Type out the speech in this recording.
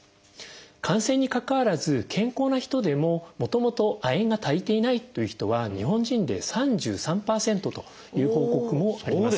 感染にかかわらず健康な人でももともと亜鉛が足りていないという人は日本人で３３％という報告もあります。